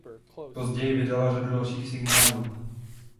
Později vydala řadu dalších singlů.